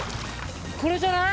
これじゃない？